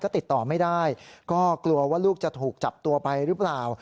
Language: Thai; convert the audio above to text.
ติดต่อไม่ได้ก็กลัวว่าลูกจะถูกจับตัวไปหรือเปล่า